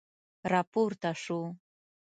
را پورته شو.